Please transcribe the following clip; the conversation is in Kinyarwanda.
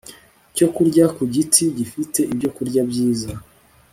cyo kurya ku giti gifite ibyokurya byiza